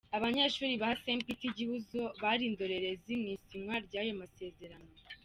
Abanyeshuli ba St Peter “Igihozo” bari indorerezi mu isinywa ry’ayo masezerano.